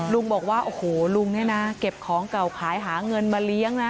ลุงบอกว่าโอ้โหลุงเนี่ยนะเก็บของเก่าขายหาเงินมาเลี้ยงนะ